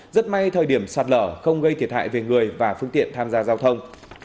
rất may thời điểm sạt lở không gây thiệt hại về người và phương tiện tham gia giao thông